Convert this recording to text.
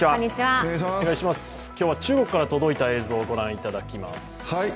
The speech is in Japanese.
今日は中国から届いた映像ご覧いただきます。